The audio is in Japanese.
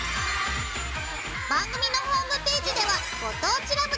番組のホームページでは「ご当地ＬＯＶＥ」として。